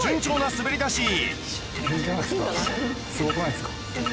すごくないですか？